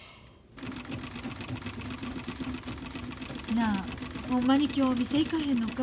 なあほんまに今日お店行かへんのか？